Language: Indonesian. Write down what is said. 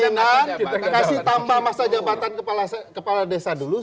kita kasih tambah masa jabatan kepala desa dulu